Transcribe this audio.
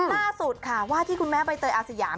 ล่าสุดค่ะว่าที่คุณแม่ใบเตยอาสยาม